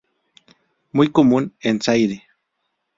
Muy común en Zaire.